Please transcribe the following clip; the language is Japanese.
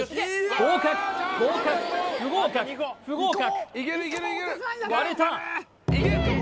合格合格合格！